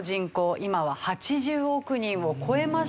今は８０億人を超えました。